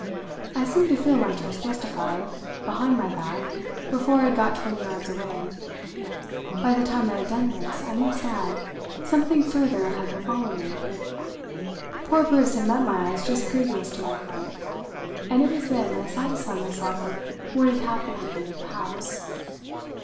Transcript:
I seemed to feel my trust justified, behind my back, before I had got twenty yards away. By the time I had done this, I must add, something further had befallen me. Poor Briss had met my eyes just previous to my flight, and it was then I satisfied myself of what had happened to him at the house.